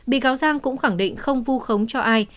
bị cáo giang cũng khẳng định không vu khống cho ai